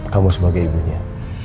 kamu sebagai ibunya